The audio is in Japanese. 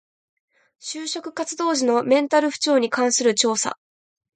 就職活動時のメンタル不調に関する調査